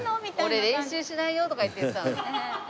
「俺練習しないよ」とか言ってさ。